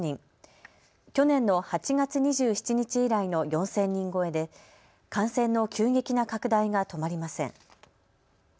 去年の８月２７日以来の４０００人超えで感染の急激な拡大が止まりません。